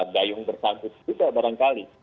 gayung bersantus juga barangkali